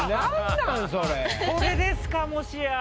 これですかもしや。